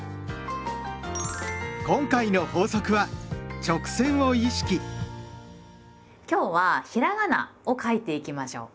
今回の法則は今日はひらがなを書いていきましょう。